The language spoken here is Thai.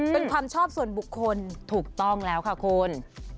เป็นความชอบส่วนบุคคลถูกต้องแล้วค่ะคุณ